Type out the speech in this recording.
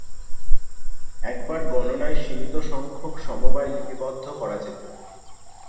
একবার গণনায় সীমিত সংখ্যক সমবায় লিপিবদ্ধ করা যেত।